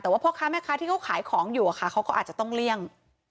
แต่ว่าพ่อค้าแม่ค้าที่เขาขายของอยู่เขาก็อาจจะต้องเลี่ยง